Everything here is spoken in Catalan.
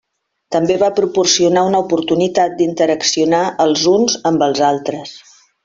També va proporcionar una oportunitat d'interaccionar els uns amb els altres.